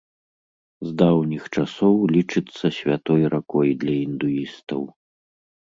З даўніх часоў лічыцца святой ракой для індуістаў.